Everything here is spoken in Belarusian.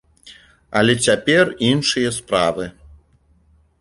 Але цяпер іншыя справы.